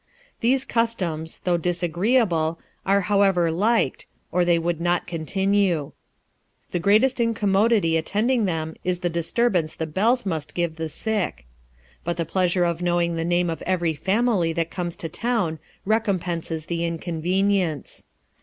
These customs, though dis agreeable, are however liked, or they would not continue. The greatest incommodity attending them is the disturbance the bells must give the sick. But the pleasure of knowing the name of every family that comes to town recompenses the inconvenience.